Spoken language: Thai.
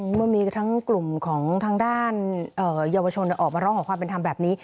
พวกมันมีกลุ่มทางด้านเยาวชนออกมาร่องหาความเป็นธรรมแบบนี้